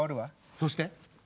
そうして。